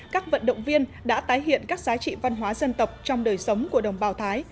các vận động viên đã tái hiện các giá trị văn hóa dân tộc trong đời sống của đồng bào thái